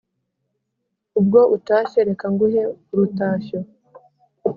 Ubwo utashye reka nguhe urutashyo